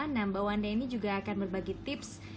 nah mbak wanda ini juga akan berbagi tips